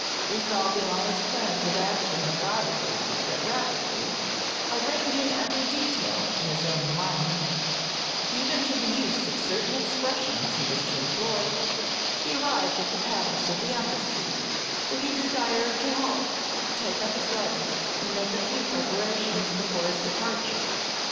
Resolving all his plans of action methodically, yet rapidly; arranging every detail in his own mind, even to the use of certain expressions he was to employ, he arrived at the palace of the Embassy, where he desired to halt to take up his letters and make a few preparations before his departure.